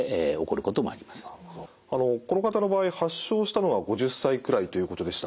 この方の場合発症したのは５０歳くらいということでした。